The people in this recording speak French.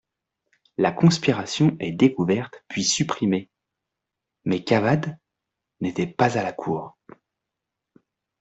La conspiration est découverte puis supprimée, mais Kavadh n'était pas à la cour.